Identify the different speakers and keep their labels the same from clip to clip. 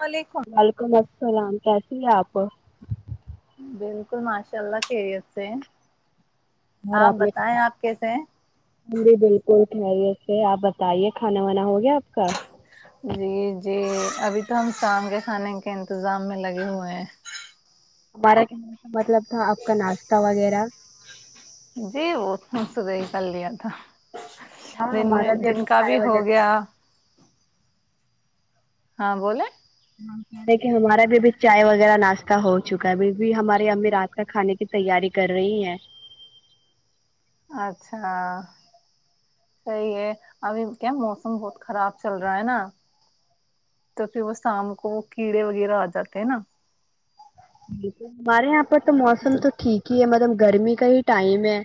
Speaker 1: وعلیکم
Speaker 2: ویلکم سلام کیسی ہے آپ
Speaker 1: بالکل ماشاء اللہ کیریت سے آپ بتائیں آپ کیسے ہیں
Speaker 2: جی بالکل ٹھریت سے آپ بتائیے کھانا وانا ہو گیا آپ کا
Speaker 1: جی جی ابھی تو ہم شام کے کھانے کے انتظام میں لگے ہوئے ہیں
Speaker 2: ہمارا کہ کا مطلب تھا آپ کا ناشتہ وغیرہ
Speaker 1: جی وہتنا صورح ہی کر لیا تھا
Speaker 2: ہاں
Speaker 1: دن
Speaker 2: ہمارا
Speaker 1: دن
Speaker 2: ابھی
Speaker 1: کا
Speaker 2: چائے
Speaker 1: بھی ہو گیا ہاں بے
Speaker 2: کہ رہے کہ ہمارا بھی ابھی چائے وغیرہ ناشہ ہو چکا ہے بھی ہماری امی رات کا کھانے کی تیاری کر رہی ہے
Speaker 1: اچھا صی ہے ابھی کیا موسم بہت خراب چل رہا ہے نا تو پھر وہ شام کو کیڑے وغیرہ آ جاتے ہیں نا
Speaker 2: بالکل ہم ہمار رہے ہیں آپ ب تو موسم تو ٹھیک ہی ہے مطلب گرمی کا ہی ٹائم ہے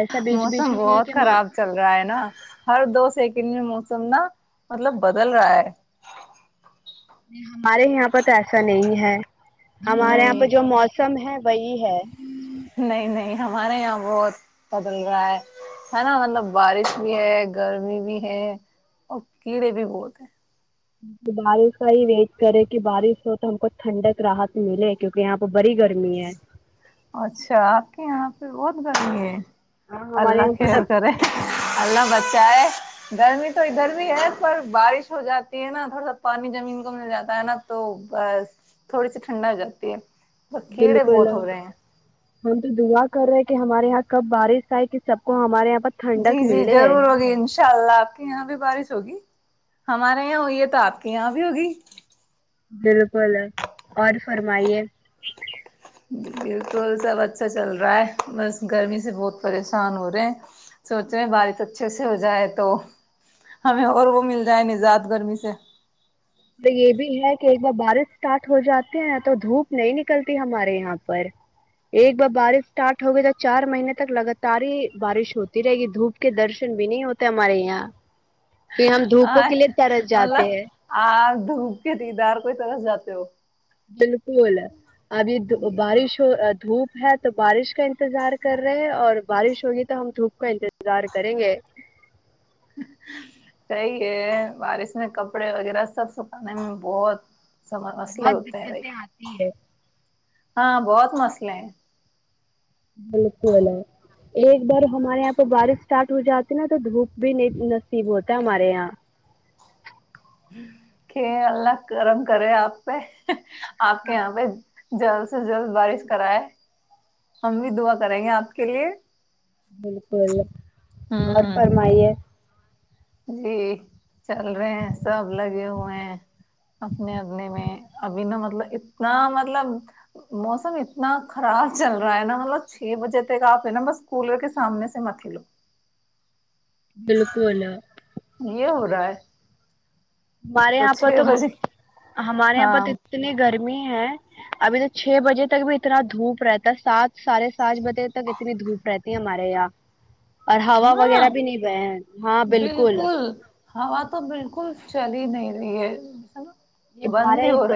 Speaker 2: ایسا بیچ
Speaker 1: موسم
Speaker 2: بیچ میں نہیں ہے
Speaker 1: بہت
Speaker 2: کہ مو-
Speaker 1: خراب چل رہا ہے نا ہر دو سیکنڈ میں موسم تم ن مطلب بدل رہا ہے
Speaker 2: ہمارے یہاں پر تو ایسا نہیں ہے ہمارے یہاں
Speaker 1: نہیں
Speaker 2: پہ جو موسم سم ہے وہی ہے
Speaker 1: نہیں نہیں ہمارے یہاں بہت بدل رہا ہے ہے نا مطلب بارش بھی ہے گرمی بھی ہے اور کیڑے بھی بہت ہیں
Speaker 2: بارش کا ہی ویٹ کرے کہ بارش ہو تو ہم کو ٹھنڈک رات ملے کیونکہ یہاں پہ بڑی گرمی ہے
Speaker 1: اچھا آپ کے یہاں پھر بہت گرمی ہے
Speaker 2: ہاں ہمارے
Speaker 1: اللہ
Speaker 2: یہاں پر
Speaker 1: خیر کرے اللہ بچ کیا ہے گرمی تو ادھر بھی ہے پر بارش ہو جاتی ہے نا تھوڑا سا پانی زمین کو مل جاتا ہے نا تو تھوڑی سی ٹھنڈا ہو جاتی ہے ب کیڑے
Speaker 2: بالکل
Speaker 1: بہت ہو رہے ہیں
Speaker 2: ہم تو دعا کر رہے کہ ہمارے یہاں کب بارش آئے کہ سب کو ہمارے یہاں پر
Speaker 1: جی
Speaker 2: ٹھنڈک
Speaker 1: جی
Speaker 2: ملے
Speaker 1: ضرور ہوگی انشاء اللہ آپ کے یہاں بھی بارش ہوگی ہمارے یہاں ہوئی ہے تو آپ کے یہاں بھی ہوگی
Speaker 2: بالکل اور فرمائیے
Speaker 1: بالکل سب اچھا چل رہا ہے بس گرمی سے بہت پریشان ہو رہے ہیں سوچ رہے ہیں بارش اچھے سے ہو جائے تو ہمیں اور وہ مل جائے نجات گرمی سے
Speaker 2: تو یہ بھی ہے کہ ایک بار بارش اسٹارٹ ہو جاتی ہے ن تو دھوپ نہیں نکلتی ہمارے یہاں پر ایک بار بارش اسٹارٹ ہوگئی تو چار مہینے تک لگاتار ہی بارش ہوتی رہے گی دھوپ کے درشن بھی نہیں ہوتے ہمارے یہاں پھر ہم دھوپوں کے لیے ترس جاتے
Speaker 1: مطلب
Speaker 2: ہیں
Speaker 1: آپ دھوپ کے ت دار کوئی طرس جاتے ہو
Speaker 2: بالکل ابھی بارش ہو دھوپ ہے تو بارش کا انتظار کر رہے ہیں اور بارش ہوگی تو ہم دھوپ کا انتظار کریں گے
Speaker 1: صی ہے بارش میں کپڑے وغیرہ سب سکھانے میں بہت سب مسئلے
Speaker 2: بہت
Speaker 1: ہوتے ہیں بھائی
Speaker 2: دقتیں آتی ہے
Speaker 1: ہاں بہت مسئلے ہیں
Speaker 2: بالکل ہے ایک بار ہمارے یہاں پہ بارش اسٹارٹ ہو جاتی نا تو دھوپ بھی نہیں نصیب ہوتا ہے ہمارے یہاں
Speaker 1: کہ اللہ کرم کرے آپے آپ کے یہاں پہ جلد سے جلد بارش کراائے ہم بھی دعا کریں گے آپ کے لیے
Speaker 2: بالکل بہت
Speaker 1: ہوں
Speaker 2: فرمائی ہے
Speaker 1: جی چل رہے ہیں سب لگے ہوئے ہیں اپنے اپنے میں ابھی نا مطلب اتنا مطلب موسم اتنا خراب چل رہا ہے نا مطلب چھ بجے تک آپ ہیں نا بس کولر کے سامنے سے مت لو
Speaker 2: بالکل
Speaker 1: یہ ہو رہا ہے
Speaker 2: ہمارے یہاں پر
Speaker 1: چھ
Speaker 2: تو
Speaker 1: بجے
Speaker 2: ہمارے یہاں پر
Speaker 1: ہاں
Speaker 2: تو اتنی گرمی ہے ہیں ابھی تو چھ بجے تک بھی اتنا دھوپ رہتا ہے سات سارے سانج بجے تک اتنی دھوپ رہتی ت مار ہ اور ہوا
Speaker 1: ہاں
Speaker 2: وغیرہ بھی نہیں بئے ہاں بالکل
Speaker 1: چلی ہی نہیں رہی ہے س
Speaker 2: یہ بارہ ایک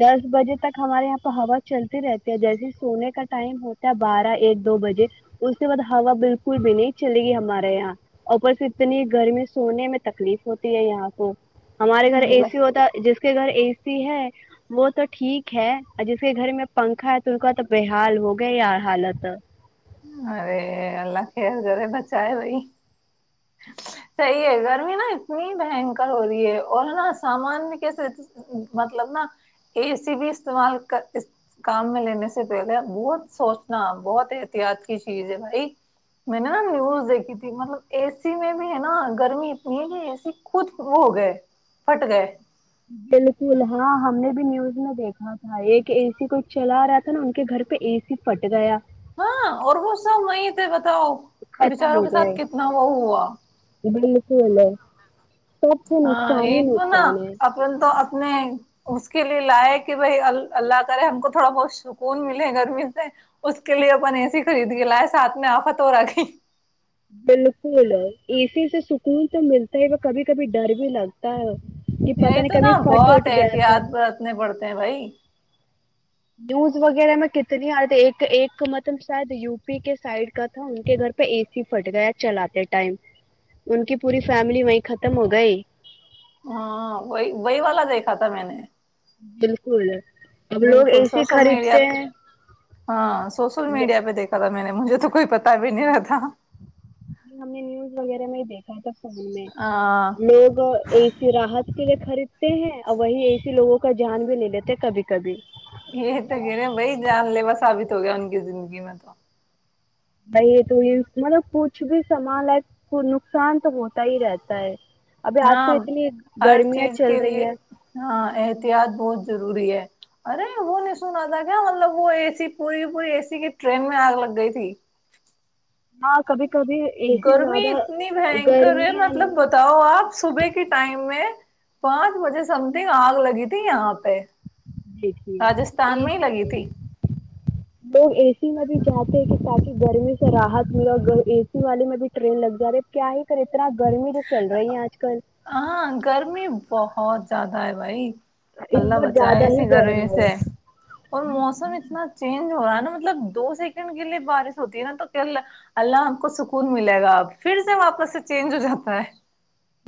Speaker 2: دس بجے تک ہمارے یہاں پہ ہوا چلتی رہتی ہے جیسے سونے کا ٹائم ہوتا ہے بارہ ایک دو بجے اس کے بعد ہوا بالکل بھی نہیں چلے گی ہمارے یہاں اوپرس اتنی گرمی سونے میں تکلیف ہوتی ہے یہاں کو ہمارے گھر اے سی
Speaker 1: اللہ
Speaker 2: ہوتا جس کے گھر اے سی ہے وہ تو ٹھیک ہے اور جس کے گھر میں پنکھا ہے تو ان کا تو بےحال ہو گیا یار حالت
Speaker 1: ارے اللہ خر رے بچائے بھائی صحیح ہے گرمی نا اتنی بنکر ہو رہی ہے اور نا سامان میں کیسے مطلب نا اے سی بھی استعمال کر کام میں لینے سے پہلے بہت سوچنا بہت احتیاط چیز ہے بھائی میں نے نا نیوز دیکھی تھی مطلب اے سی میں بھی ہے نا گرمی اتنی ہے کہ اے سی خود ہو گئے پھٹ گئے
Speaker 2: بالکل ہاں ہم نے بھی نیوز میں دیکھا تھا ایک اے سی کوئی چلا رہا تھا نا ان کے گھر پہ اے سی پھٹ گیا
Speaker 1: ہاں اور وہ سب وہیں تھے ب بتاؤ
Speaker 2: ختم
Speaker 1: بچاروں
Speaker 2: ہو
Speaker 1: کے ساتھ
Speaker 2: گئے
Speaker 1: کتنا وہ ہوا
Speaker 2: بالکل ہے سب سے
Speaker 1: ہاں
Speaker 2: نقصان
Speaker 1: یہ
Speaker 2: ہی
Speaker 1: تو نا
Speaker 2: نقصان ہے
Speaker 1: اپ تو اپ نے اس کے لیے لائے کہ بھائی اللہ کرے ہم کو تھوڑا بہت سکون ملے گرمی سے اس کے لیے اپن اے سی خرید کے لائے ساتھ میں آفت ہو را کیھی
Speaker 2: بالکل ا سی سے سکون تو ملتا ہی ب کبھی کبھی ڈر بھی لگتا ہے کہ پتہ
Speaker 1: یہی
Speaker 2: نہیں
Speaker 1: تو نا
Speaker 2: کبھی فٹ
Speaker 1: بہت
Speaker 2: اٹ گیا تو
Speaker 1: احتیاط برتنے پڑتے ہیں بھائی
Speaker 2: نیوز وغیرہ میں کتنی آتی ایک ایک مطلب شاید یو پی کے سائڈ کا تھا ان کے گھر پہ اے سی پھٹ گیا چلاتے ٹائم ان کی پوری فیملی وہیں ختم ہو گئی
Speaker 1: ہاں وہی وہی والا دھا تھا میں نے
Speaker 2: بالکل اب لوگ اے
Speaker 1: بالکل
Speaker 2: سی
Speaker 1: سوشل میڈیا
Speaker 2: خریدتے
Speaker 1: پہ
Speaker 2: ہیں
Speaker 1: ہاں [unintelligible] سوشل مڈیا پہیکھا جا میں نے مجھے تو کوئی پتا بھی نہیں رہ تھا
Speaker 2: ج ہم نے نیوز وغیرہ میں ہی دیکھا ہے تو میں
Speaker 1: ہاں
Speaker 2: لوگ ایسی راحت کے خریدتے ہیں اور وہی ایسے لوگوں کا جھیان بھی لے لیتے ہیں کبھی کبھی
Speaker 1: یہ تو کہ رہے ہیں بھائی جان لیوا ثابت ہو گیا ان کی زندگی میں تو
Speaker 2: بائی یہ تو یہ مطلب کچھ بھی سمان ہے کو نقصان تو ہوتا ہی رہتا ہے ابھی آج کل
Speaker 1: ہاں
Speaker 2: اتنی
Speaker 1: ہر
Speaker 2: گرمیاں
Speaker 1: چیز کے
Speaker 2: چل
Speaker 1: لیے
Speaker 2: رہی ہے
Speaker 1: ہاں احتیاط بہت ضروری ہے ارے وہ نہیں سنا رہ تھا کیا مطلب وہ اے سی پوری پوری اے سی کی ٹرین میں آگ لگ گئی تھی
Speaker 2: ہاں کبھی کبھی اے سی
Speaker 1: گرمی
Speaker 2: زیادہ
Speaker 1: اتنی بنکر ہے
Speaker 2: گرمی نا
Speaker 1: مطلب بتاؤ آپ صبح کے ٹائم میں پانچ بجے سم تھنگ آگ لگی تھی یہاں پہ
Speaker 2: جی
Speaker 1: راجستھان
Speaker 2: اے
Speaker 1: ہی
Speaker 2: سی
Speaker 1: لگی
Speaker 2: میں
Speaker 1: تھی
Speaker 2: لوگ ا س سی میں بھی جاتے ہیں کہ تاکہ گرمی سے راحت ملے اور اے سی والے میں بھی ٹرین لگ جا رہی کیا ہی کر اتنا گرمی جو چل رہی ہے آج کل
Speaker 1: ہاں گرمی بہت زیادہ ہے بھائی
Speaker 2: اس
Speaker 1: اللہ
Speaker 2: بار
Speaker 1: بچائے
Speaker 2: زیادہ ہی
Speaker 1: اسی
Speaker 2: گرم
Speaker 1: گرمی
Speaker 2: ہے
Speaker 1: سے اور موسم اتنا چینج ہو رہا ہے نا مطلب دو سیکنڈ کے لیے بارش ہوتی ہے نا تو اللہ ہم کو سکون ملے گا اب پھر سے واپس سے چینج ہو جاتا ہے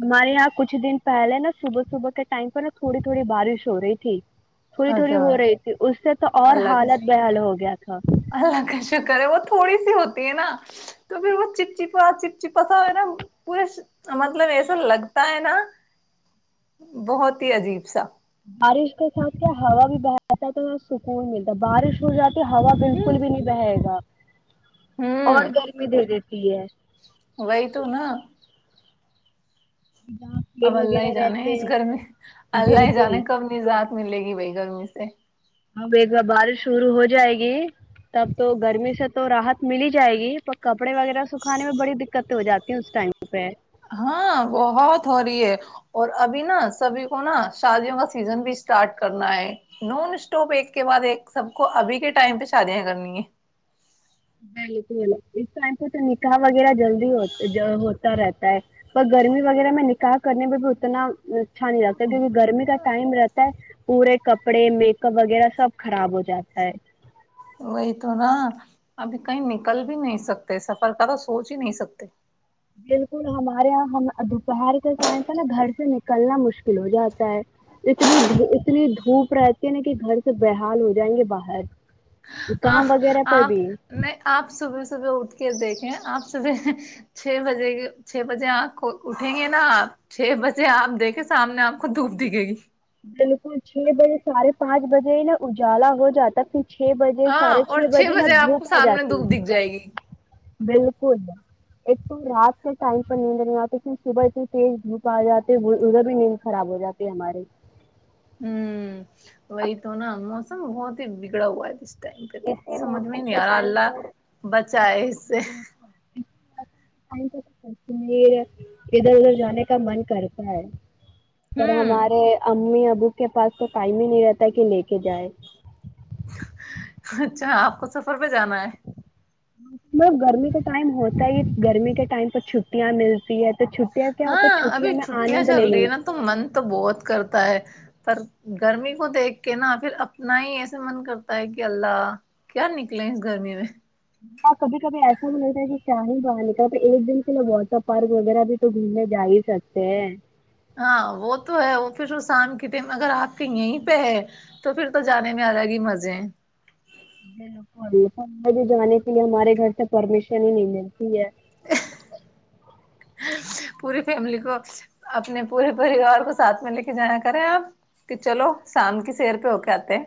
Speaker 2: ہمارے یہاں کچھ دن پہلے نا صبح صبح کے ٹائم پہ نا تھوڑی تھوڑی بارش ہو رہی تھی تھوڑی تھوڑی
Speaker 1: اچھا
Speaker 2: ہو رہی تھی اس سے تو اور
Speaker 1: اللہ کا
Speaker 2: حالت بحال ہو گیا تھا
Speaker 1: اللہ کا شکر ہے وہ تھوڑی سی ہوتی ہے نا تو پھر وہ چپچپا چپچپاسا نا پورے مطلب ایسا لگتا ہے نا بہت ہی عجیب سا
Speaker 2: بارش کے ساتھ کیا ہوا بھی بہتا ہے تو سکون ملتا بارش ہو جاتی ہا
Speaker 1: ہوں
Speaker 2: بالکل بھی نہیں بہے گا اور
Speaker 1: ہوں
Speaker 2: گرمی دے دیتے یس
Speaker 1: وہی تو نا
Speaker 2: جہاں پیڑ
Speaker 1: اب اللہ ہی
Speaker 2: وغیرہ
Speaker 1: جانے
Speaker 2: رہتے
Speaker 1: اس
Speaker 2: ہیں
Speaker 1: گھر میں اللہ
Speaker 2: بالکل
Speaker 1: جانے کب نہیں نظات ملے گی بھائی گرمی سے
Speaker 2: اب ایک بار بارش شروع ہو جائے گی تب تو گرمی سے تو رحت مل ہی جائے گی پر کپڑے وغیرہ سکھانے میں بڑی دقتیں ہو جاتی اس ٹائم پہ
Speaker 1: ہاں بہت ہو رہی ہے اور ابھی نا سبھی کو نا شادیوں کا سیزن بھی اسٹارٹ کرنا ہے نان اسٹاپ ایک کے بعد ایک سب کو ابھی کے ٹائم پہ شادیاں کرنی ہے
Speaker 2: بالکل اس ٹائم پہ تو نکاح وغیرہ جلدی ہوتا رہتا ہے پر گرمی وغیرہ میں نکاح کرنے میں بھی اتنا اچھا نہیں لگتا
Speaker 1: ہے
Speaker 2: کیونکہ گرمی کا ٹائم رہتا ہے پورے کپڑے میک اپ وغیرہ سب خراب ہو جاتا ہے
Speaker 1: وہی تو نا ابھی کہیں نکل بھی نہیں سکتے سفر کا تو سوچ ہی نہیں سکتے
Speaker 2: بالکل ہمارے یہاں ہم دوپہر کے ٹائم تھا نا گھر سے نکلنا مشکل ہو جاتا ہے اتنی اتنی دھوپ رہتی ہے نا کہ گھر سے بحال ہو جائیں گے باہر کام وغیرہ پہ بھی
Speaker 1: آپ نہیں آپ صبح صبح اٹھ کے دیکھ آپ صبح چھ بجے چھ بجے آپ کو اٹھیں گے نا آپ چھ بجے آپ دیکھے سامنے آپ کو دھوپ دکھے گی
Speaker 2: بالکل چھ بجے ساھے پانچ بجے ہی نا اجالا ہو جاتا پ چھ بجے
Speaker 1: ہاں
Speaker 2: ساڈھے
Speaker 1: اور
Speaker 2: چھ بجے نا
Speaker 1: آپ کو
Speaker 2: دھوپ آ
Speaker 1: سامنے
Speaker 2: جاتی
Speaker 1: دھوپ
Speaker 2: ہے
Speaker 1: دکھ جائے گی
Speaker 2: بالکل ایک تو رات کے ٹائم پر نیند نہیں آتی کی صبح اتنی تیز دھوپ آ جاتی ادھر بھی نیند خراب ہو جاتی ہے ہماری
Speaker 1: ہوں
Speaker 2: اب
Speaker 1: وہی تو ناو بہت ہی بگڑا ہوا ہے اس ٹائم پہ تو
Speaker 2: ایسے
Speaker 1: سمجھ میں
Speaker 2: موسم
Speaker 1: ہی نہیں
Speaker 2: کے
Speaker 1: آ رہا
Speaker 2: ٹائم
Speaker 1: اللہ
Speaker 2: پر [unintelligible]
Speaker 1: بچائے اس سے
Speaker 2: کشمیر ادھر ادھر جانے کا من کرتا ہے پر
Speaker 1: ہوں
Speaker 2: ہمارے امی اب اس کے پاس تو ٹائم ہی نہیں رہتا کہ لے کے جائے
Speaker 1: اچھا آپ کو سفر پہ جانا ہے
Speaker 2: لگ گرمی کے ٹائم ہوتا ہی گرمی کے ٹائم پے چھٹیا ملتی ہے تو چھٹیاں کیا ہوتا
Speaker 1: ہاں
Speaker 2: ہے
Speaker 1: ابھی
Speaker 2: میں
Speaker 1: چھٹیاں
Speaker 2: آنند
Speaker 1: چل
Speaker 2: لے لیں
Speaker 1: رہی ہے نا تو من تو بہت کرتا ہے پر گرمی کو دیکھ کے نا پھر اپنا ہی ایسے من کرتا ہے کہ اللہ کیا نکلے اس گرمی میں
Speaker 2: ہ کبھی کبھی ایسا ملتا ہے کہ چاہ ہی باہاں نکلتے ایک دن کے لوگ واٹر پارک وغیرہ بھی تو گھومنے جا ہی سکتے ہیں
Speaker 1: ہاں وہ تو ہے وہ پھر شسم کے ٹائم اگر آپ کے یہیں پہ ہے تو پھر تو جانے میں آ جائے گی مزے
Speaker 2: جانے کے لیے ہمارے گھر سے پرمیشن ہی نہیں ملتی ہے
Speaker 1: پوری فیملی کو اپنے پورے پریوار کو ساتھ میں لے کے جانیا کریں آپ کہ چلو سام کی سیر پہ ہو کے آتے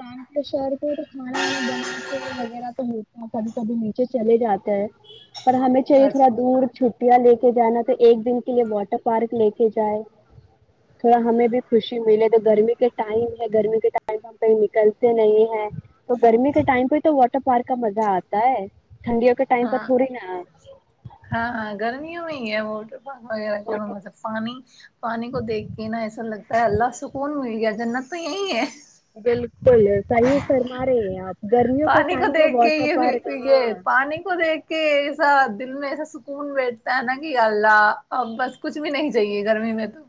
Speaker 2: شام شہر کے تو کھانا وانا بناتے وغیرہ تو ہوتا ہے کبھی کبھی نیچے چلے جاتا ہے پر ہمیں چاہیے تھوڑا
Speaker 1: اچھا
Speaker 2: دور چھ ٹیا لے کے جانا تو ایک دن کے لیے واٹر پارک لے کے جائے تھوڑا ہمیں بھی خوشی ملے تو گرمی کے ٹائم ہے گرمی کے ٹائم کہیں نکلتے نہیں ہے تو گرمی کے ٹائم پہ تو واٹر پارک کا مزہ آتا ہے ٹھنڈیوں کے ٹائم پہ
Speaker 1: ہاں
Speaker 2: تھوڑی نا
Speaker 1: یہ ب [unintelligible]
Speaker 2: واٹر
Speaker 1: مطلب پانی پانی کو دیکھ کے نا ایسا لگتا ہے اللہ سکون مل گیا جنت تو یہی ہے
Speaker 2: بالکل بول سائی فرما رہے ہیں آپ گرمیوں کا
Speaker 1: پانی کو
Speaker 2: ٹائم تھا
Speaker 1: دیکھ کے
Speaker 2: واٹر پارک
Speaker 1: یہ یہ
Speaker 2: ہاں
Speaker 1: پانی کو دیکھ کے ایسا دل میں ایسا سکون بیٹھتا ہے نا کہ اللہ ا بس کچھ بھی نہیں چاہیے گرمی میں تو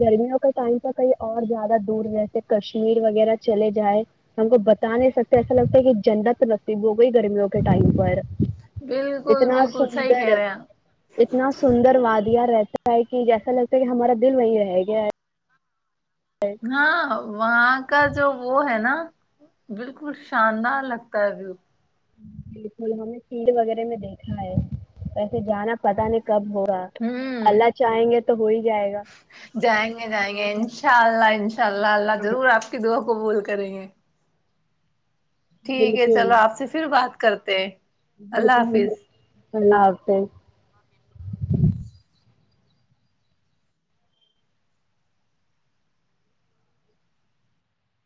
Speaker 2: گرمیوں کے ٹائم پر کہیں اور زیادہ دور جیسے کشمیر وغیرہ چلے جائے ہم کو بتا نہیں سکتے ایسا لگتا ہے کہ جنت نصیب ہو گئی گرمیوں کے ٹائم پر
Speaker 1: بالکل
Speaker 2: اتنا
Speaker 1: بالکل صحیح
Speaker 2: سندر
Speaker 1: کہہ رہے ہیں آپ
Speaker 2: اتنا سندر وادیاں رہتی لتا کہ جیسا لگتا ہے کہ ہمارا دل وہی رہ گیا
Speaker 1: ہاں ہ وہاں کا جو وہ ہے نا بالکل شاندار لگتا ہے وو
Speaker 2: بالکل ہمیں سیر وغیرہ میں دیکھا ہے وسے جانا پتا نہیں کب ہوگا
Speaker 1: ہوں
Speaker 2: اللہ چاہیں گے تو ہو ہی جائے گا
Speaker 1: چال ال لائ [unintelligible] اناء اللہ اللہضرور آپ کی دعا کو بول کریں گے ٹھیک ہے چلو آپ سے پھر بات کرتے
Speaker 2: ج
Speaker 1: اللہ حافظ
Speaker 2: پنا ہوتے [unintelligible]